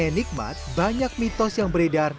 yang nikmat banyak mitos yang beredar